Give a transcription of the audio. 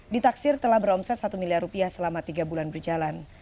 ditaksir telah beromset satu miliar rupiah selama tiga bulan berjalan